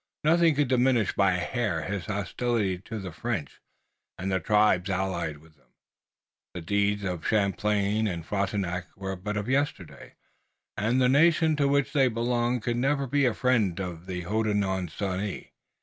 Nothing could diminish by a hair his hostility to the French and the tribes allied with them. The deeds of Champlain and Frontenac were but of yesterday, and the nation to which they belonged could never be a friend of the Hodenosaunee.